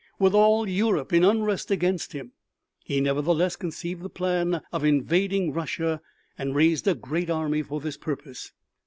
With all Europe in unrest against him, he nevertheless conceived the plan of invading Russia and raised a great army for this purpose.